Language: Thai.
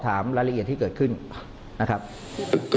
แต่เจ้าตัวก็ไม่ได้รับในส่วนนั้นหรอกนะครับ